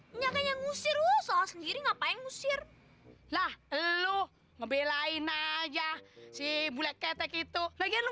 bisanya ninggalin gua doang zostaling masalah tahu nggak kenapa nasibnya jadi kayak gini